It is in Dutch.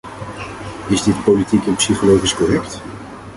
Is dit politiek en psychologisch correct?